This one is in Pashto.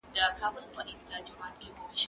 زه به سبا نان وخورم؟!